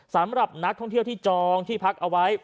สำหรับนักท่องเที่ยวที่จองที่พักเอาไว้